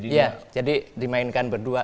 ya jadi dimainkan berdua